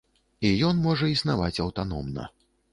І ён можа існаваць аўтаномна.